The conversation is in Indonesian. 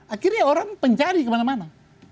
akhirnya orang pencari kemana mana